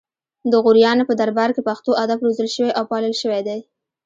د غوریانو په دربار کې پښتو ادب روزل شوی او پالل شوی دی